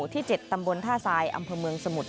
ที่๗ตำบลท่าทรายอำเภอเมืองสมุทร